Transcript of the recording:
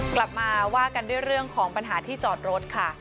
กลับมาว่ากันด้วยเรื่องของปัญหาที่จอดรถค่ะ